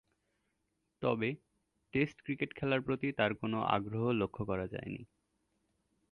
তবে, test cricket খেলার প্রতি তার কোন আগ্রহ লক্ষ্য করা যায়নি।